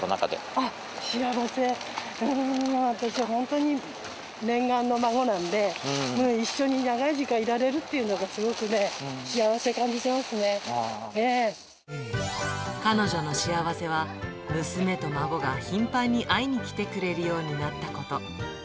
うーん、私本当に念願の孫なんで、一緒に長い時間いられるっていうのが、彼女の幸せは、娘と孫が頻繁に会いに来てくれるようになったこと。